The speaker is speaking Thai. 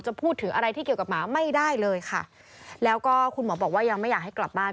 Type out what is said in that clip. พูดถึงอะไรที่เกี่ยวกับหมาไม่ได้เลยค่ะแล้วก็คุณหมอบอกว่ายังไม่อยากให้กลับบ้าน